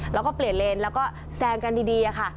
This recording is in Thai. แล้วก็เปลี่ยนเลนแล้วก็แซงกันดีค่ะ